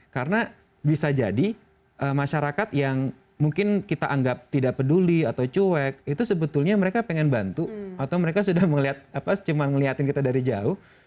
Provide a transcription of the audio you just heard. karena bisa jadi masyarakat yang mungkin kita anggap tidak peduli atau cuek itu sebetulnya mereka pengen bantu atau mereka sudah cuma ngeliatin kita dari jauh